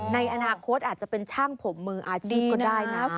ในอนาคตอาจจะเป็นช่างผมมืออาชีพก็ได้นะ